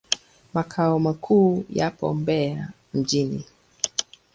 Makao makuu yapo Mbeya mjini.